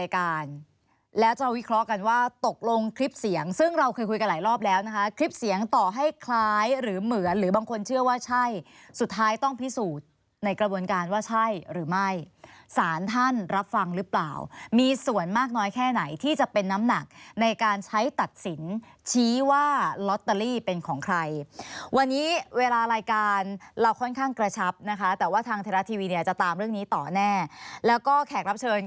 คลิปเสียงต่อให้คล้ายหรือเหมือนหรือบางคนเชื่อว่าใช่สุดท้ายต้องพิสูจน์ในกระบวนการว่าใช่หรือไม่สารท่านรับฟังหรือเปล่ามีส่วนมากน้อยแค่ไหนที่จะเป็นน้ำหนักในการใช้ตัดสินชี้ว่าลอตเตอรี่เป็นของใครวันนี้เวลารายการเราค่อนข้างกระชับนะคะแต่ว่าทางเทศรัททีวีจะตามเรื่องนี้ต่อแน่แล้วก็แข